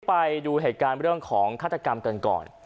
ไปดูเหตุการณ์เรื่องของฆาตกรรมกันก่อน